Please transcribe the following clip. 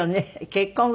結婚後